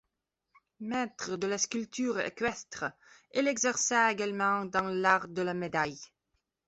Maître de la sculpture équestre, il exerça également dans l'art de la médaille.